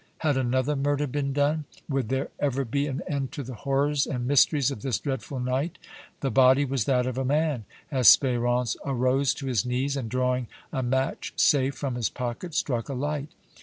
Had another murder been done? Would there ever be an end to the horrors and mysteries of this dreadful night? The body was that of a man. Espérance arose to his knees and drawing a match safe from his pocket struck a light.